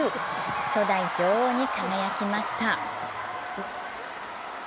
初代女王に輝きました。